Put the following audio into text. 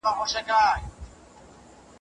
مازیګر د پای په لوري دی.